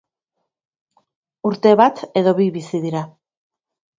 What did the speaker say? Urte bat edo bi bizi dira.